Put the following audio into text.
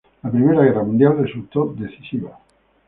La Primera Guerra Mundial resultó decisiva.